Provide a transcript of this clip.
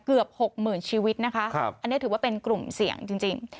เกือบหกหมื่นชีวิตนะคะอันนี้ถือว่าเป็นกลุ่มเสี่ยงจริง